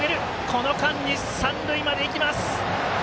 この間に三塁まで行きます！